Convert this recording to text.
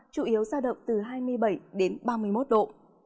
chủ yếu giao động từ hai mươi bảy đến ba mươi một độ